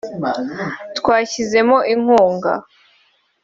twashyizemo inkunga